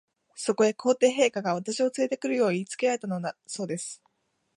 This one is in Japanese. そこへ、皇帝陛下が、私をつれて来るよう言いつけられたのだそうです。